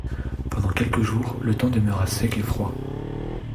Pendant quelques jours, le temps demeura sec et froid.